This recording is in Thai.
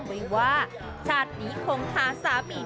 ไม่ว่าชาตินี้คงทาสามีไม่ได้